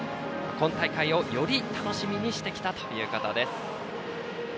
今大会を、より楽しみにしてきたということです。